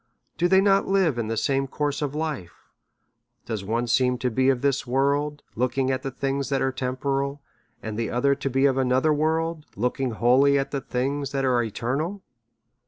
Do they not live in the same course of life ? Does one seem to be of this world, looking at the things that are temporal, and the other to be of another worlds DEVOUT AND HOLY LIFE. » looking wholly at the things that are eternal?